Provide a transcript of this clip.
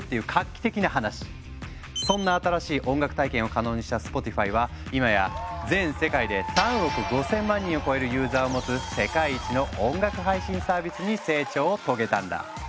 そんな新しい音楽体験を可能にしたスポティファイは今や全世界で３億５，０００万人を超えるユーザーを持つ世界一の音楽配信サービスに成長を遂げたんだ。